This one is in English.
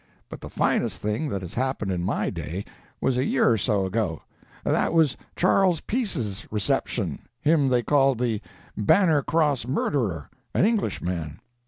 But the finest thing that has happened in my day was a year or so ago; that was Charles Peace's reception—him they called 'the Bannercross Murderer'—an Englishman.